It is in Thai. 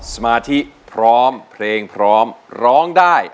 สมาธิพร้อมเพลงพร้อมร้องได้